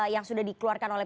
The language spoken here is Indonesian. yang sudah dikeluarkan oleh